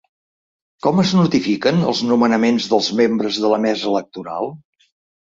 Com es notifiquen els nomenaments dels membres de la mesa electoral?